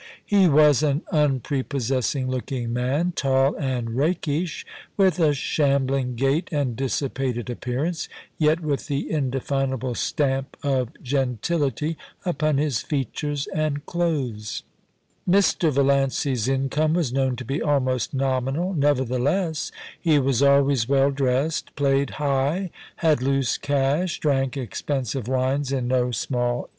He was an unprepossessing looking man, tall and rakish, with a shambling gait and dissipated appearance, yet with the indefinable stamp of gentility upon his features and clothes. Mr. Valiancy's income was known to be almost nominal, nevertheless he was always well dressed, played high, had loose cash, drank expensive wines in no small MRS. VALLANCVS HOME.